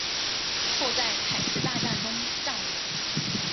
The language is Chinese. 后在采石大战中战亡。